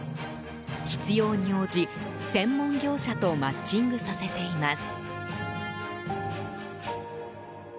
必要に応じ、専門業者とマッチングさせています。